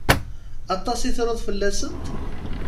Aṭas i truḍ fell-asent.